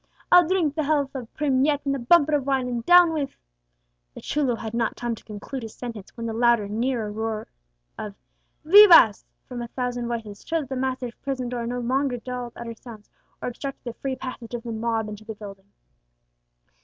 I'll drink the health of Prim yet in a bumper of wine, and down with " The chulo had not time to conclude his sentence, when the louder, nearer noise of vivas from a thousand voices showed that the massive prison door no longer dulled outer sounds, or obstructed the free passage of the mob into the building.